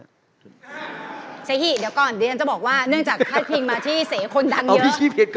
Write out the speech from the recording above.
เสหิเดี๋ยวก่อนเดี๋ยวฉันจะบอกว่าเนื่องจากพาดพิงมาที่เสคนดังเยอะ